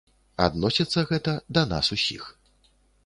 Адносіцца гэта да нас усіх.